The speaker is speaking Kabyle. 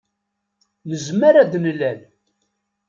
Nezmer ad d-nalel.